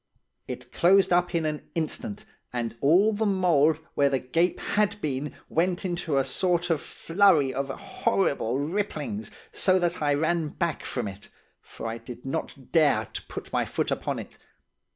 It closed up in an instant, and all the mould where the cape had been vent into a sort of flurry of horrible ripplings, so that I ran back from it; for I did not dare to put my foot upon it.